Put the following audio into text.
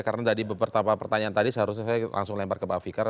karena tadi beberapa pertanyaan tadi seharusnya saya langsung lempar ke pak fikar